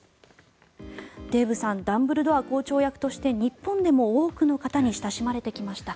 デーブさんダンブルドア校長役として日本でも多くの方に親しまれてきました。